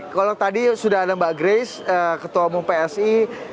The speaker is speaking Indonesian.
kalau tadi sudah ada mbak grace ketua umum psi